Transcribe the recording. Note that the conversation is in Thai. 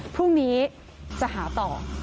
พรุ่งนี้จะหาต่อ